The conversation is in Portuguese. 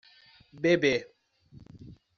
Bebê